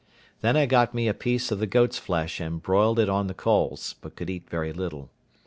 Then I got me a piece of the goat's flesh and broiled it on the coals, but could eat very little.